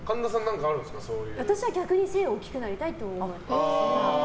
私は逆に背が大きくなりたいって思ってます。